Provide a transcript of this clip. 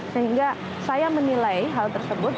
sehingga saya menilai hal tersebut